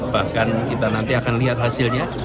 bahkan kita nanti akan lihat hasilnya